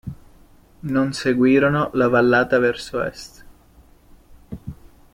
Non seguirono la vallata verso est.